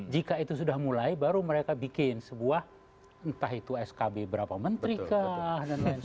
jika itu sudah mulai baru mereka bikin sebuah entah itu skb berapa menteri kah dan lain sebagainya